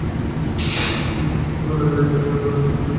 আরে লাইট এখনো জ্বালানো কেন?